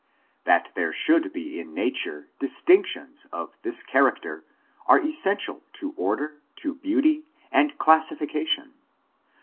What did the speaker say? That there should be in nature distinctions of this character is essential to order, to beauty, and classi fication.